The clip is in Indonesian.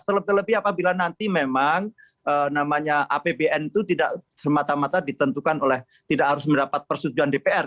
terlebih lebih apabila nanti memang namanya apbn itu tidak semata mata ditentukan oleh tidak harus mendapat persetujuan dpr